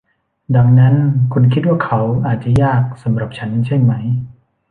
ดังนั้นคุณคิดว่าเขาอาจจะยากสำหรับฉันใช่มั้ย